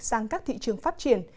sang các thị trường phát triển